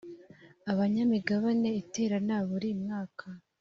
abanyamigabane iterana buri mwaka